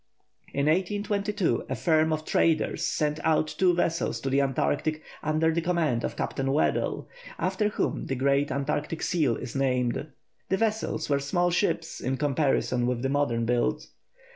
In 1822 a firm of traders sent out two vessels to the Antarctic under the command of Captain Weddell, after whom the great Antarctic seal is named. The vessels were small ships in comparison with the modern build.